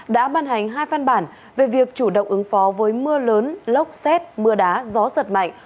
đã ban hành hai văn bản về việc chủ động ứng phó với mưa lớn lốc xét mưa đá gió giật mạnh